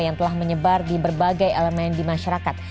yang telah menyebar di berbagai elemen di masyarakat